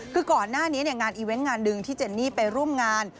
คือก่อนหน้านี้งานอีเวนต์งานหนึ่งที่เจนนี่ไปร่วมงาน